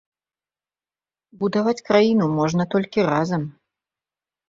Будаваць краіну можна толькі разам.